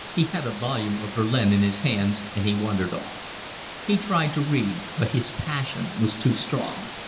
He had a volume of Verlaine in his hands, and he wandered off. He tried to read, but his passion was too strong.